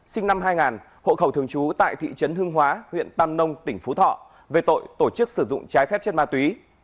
sinh năm hai nghìn hộ khẩu thường trú tại thị trấn hương hóa huyện tam nông tỉnh phú thọ về tội tổ chức sử dụng trái phép chất ma túy